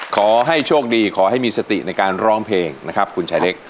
ขอให้โชคดีขอให้มีสติในการร้องเพลงนะครับคุณชายเล็ก